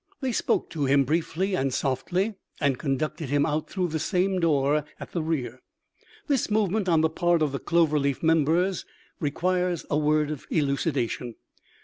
They spoke to him briefly and softly, and conducted him out through the same door at the rear. This movement on the part of the Clover Leaf members requires a word of elucidation.